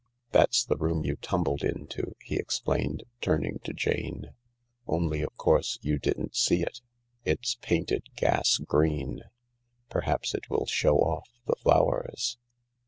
That's the room you tumbled into/' he explained, turning to Jane, "only of course you didn't see it. It's painted gas green. Perhaps it will show off the flowers.